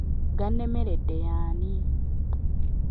Gannemeredde y'ani?